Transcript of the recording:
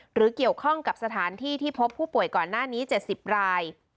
หรือเกี่ยวข้องกับสถานที่ที่พบผู้ป่วยก่อนหน้านี้๗๐ราย